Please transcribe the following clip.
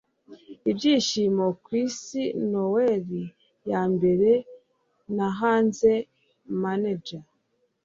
Ibyishimo ku Isi Noel ya mbere na Hanze Manger